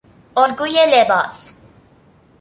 الگوی لباس